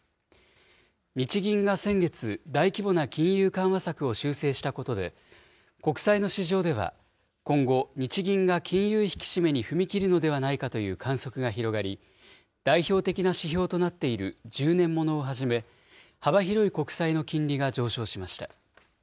日銀が先月、大規模な金融緩和策を修正したことで、国債の市場では、今後、日銀が金融引き締めに踏み切るのではないかという観測が広がり、代表的な指標となっている１０年ものをはじめ、幅広い国債の金利が上昇しました。